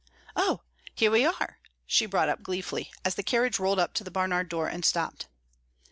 "Oh, here we are!" she brought up gleefully, as the carriage rolled up to the Barnard door and stopped.